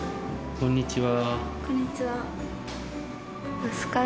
こんにちは。